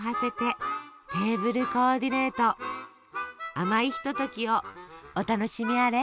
甘いひとときをお楽しみあれ。